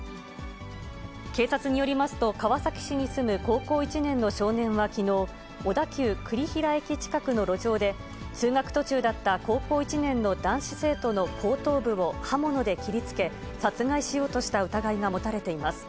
警察によりますと、川崎市に住む高校１年の少年はきのう、小田急栗平駅近くの路上で、通学途中だった高校１年の男子生徒の後頭部を刃物で切りつけ、殺害しようとした疑いが持たれています。